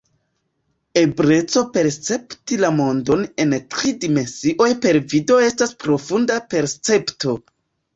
Ebleco percepti la mondon en tri dimensioj per vido estas profunda percepto.